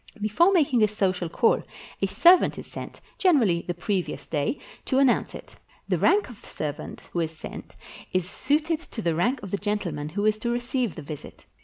Before making a social call, a servant is sent (gener ally the previous day) to announce it. The rank of the servant who is sent is suited to the rank of the gentle man who is to receive the visit.